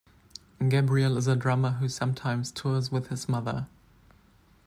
Gabriel is a drummer who sometimes tours with his mother.